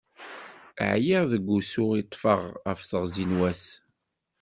Ԑyiɣ seg usu i ṭṭfeɣ ɣef teɣzi n wass.